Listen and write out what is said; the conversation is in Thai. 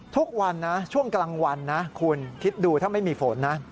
ทุกวันนะช่วงกลางวันนะคุณคิดดูถ้าไม่มีฝนนะ